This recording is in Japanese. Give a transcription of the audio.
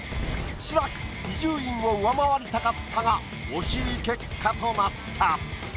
志らく伊集院を上回りたかったが惜しい結果となった。